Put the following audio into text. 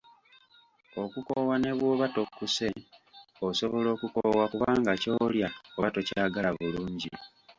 Okukoowa ne bw'oba tokkuse osobola okukoowa kubanga ky'olya oba tokyagala bulungi.